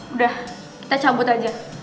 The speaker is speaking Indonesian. udah kita cabut aja